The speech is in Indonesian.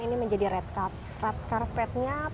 ini menjadi red carpetnya